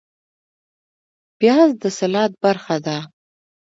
پیاز د سلاد برخه ده